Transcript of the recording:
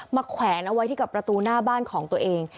แขวนเอาไว้ที่กับประตูหน้าบ้านของตัวเอง